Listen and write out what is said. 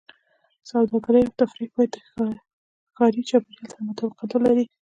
سوداګرۍ او تفریح باید د ښاري چاپېریال سره مطابقت ولري.